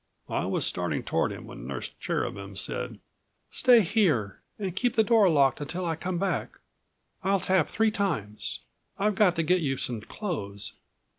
I was starting toward him when Nurse Cherubin said: "Stay here, and keep the door locked until I come back. I'll tap three times. I've got to get you some clothes."